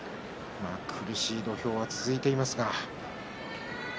苦しい土俵が続いています栃ノ心。